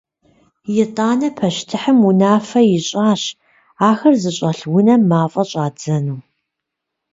Итӏанэ пащтыхьым унафэ ищӏащ ахэр зыщӏэлъ унэм мафӏэ щӏадзэну.